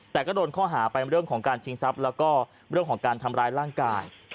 แต่ก็โดนข้อหาไปเรื่องของการชิงทรัพย์แล้วก็เรื่องของการทำร้ายร่างกาย